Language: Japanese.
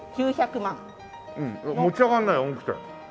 持ち上がらないよ重くて。